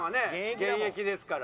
現役ですから。